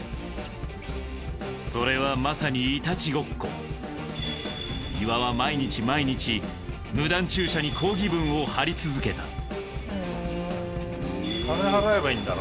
それはまさにいたちごっこ三輪は毎日毎日無断駐車に抗議文を貼り続けた金払えばいいんだろ？